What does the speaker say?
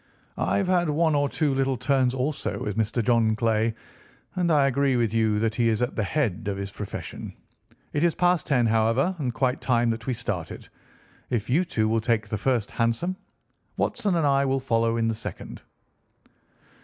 I've had one or two little turns also with Mr. John Clay, and I agree with you that he is at the head of his profession. It is past ten, however, and quite time that we started. If you two will take the first hansom, Watson and I will follow in the second."